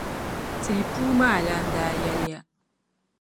tihi puu maa lana daa yɛliya.